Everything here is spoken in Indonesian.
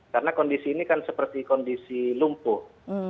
karena kondisi ini kan seperti kondisi lumpuh